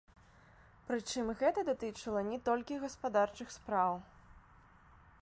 Прычым гэта датычыла не толькі гаспадарчых спраў.